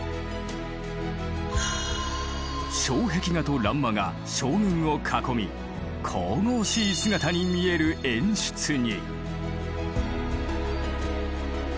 障壁画と欄間が将軍を囲み神々しい姿に見える演出に。